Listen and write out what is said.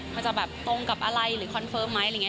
มันจะแบบตรงกับอะไรหรือคอนเฟิร์มไหมอะไรอย่างนี้